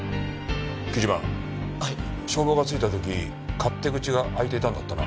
木島消防が着いた時勝手口が開いていたんだったな？